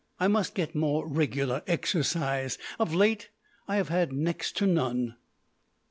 I must get more regular exercise. Of late I have had next to none.